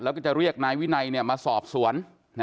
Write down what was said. แล้วก็จะเรียกนายวินัยมาสอบสวน